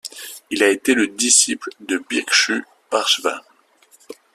Il a été le disciple de Bhikshu Parshva.